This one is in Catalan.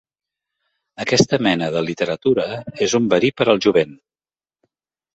Aquesta mena de literatura és un verí per al jovent.